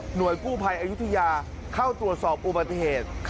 หน่วยกู้ภัยอยุธิญาเข้าตรวจสอบอุบัติเหตุ